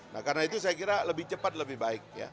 nah karena itu saya kira lebih cepat lebih baik